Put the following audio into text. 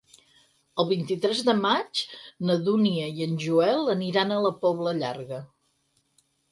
El vint-i-tres de maig na Dúnia i en Joel aniran a la Pobla Llarga.